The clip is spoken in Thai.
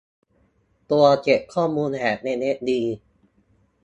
ตัวจัดเก็บข้อมูลแบบเอสเอสดี